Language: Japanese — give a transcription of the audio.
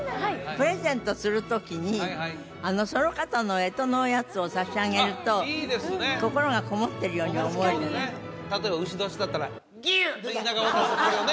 プレゼントするときにその方の干支のやつを差し上げると心がこもってるように思えるって言いながら渡すこれをね